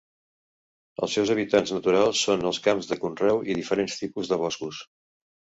Els seus hàbitats naturals són els camps de conreu i diferents tipus de boscos.